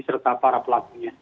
serta para pelakunya